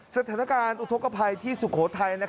สถานการณ์อุทธกภัยที่สุโขทัย